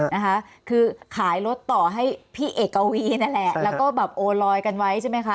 นะคะคือขายรถต่อให้พี่เอกวีนั่นแหละแล้วก็แบบโอลอยกันไว้ใช่ไหมคะ